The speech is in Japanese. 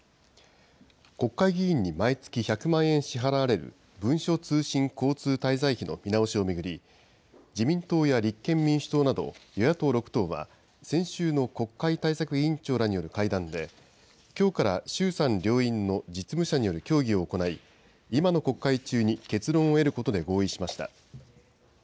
国会議員に毎月１００万円支払われる文書通信交通滞在費の見直しを巡り、自民党や立憲民主党など与野党６党は先週の国会対策委員長らによる会談で、きょうから衆参両院の実務者による協議を行い、今の国会中に結論を得ることで合意しました。